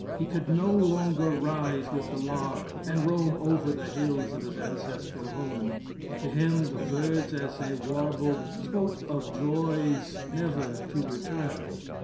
He could no longer rise with the lark, and roam over the hills of his ancestral home. To him the birds, as they warbled, spoke of joys never to return.